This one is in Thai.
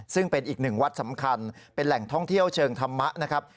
ซึ่งเป็นอีกหนึ่งวัดสำคัญเป็นแหล่งท่องเที่ยวเชิงธรรมะนะครับ